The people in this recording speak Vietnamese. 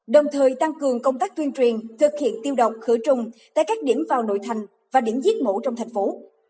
đồng thời tăng cường công tác tuyên truyền thực hiện tiêu độc khử trùng tại các điểm vào nội thành và điểm giết mổ trong thành phố